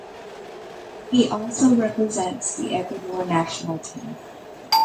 He also represents the Ecuador national team.